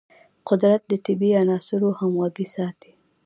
قدرت د طبیعي عناصرو همغږي ساتي.